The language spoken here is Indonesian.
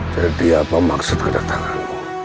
jadi apa maksud kedatanganku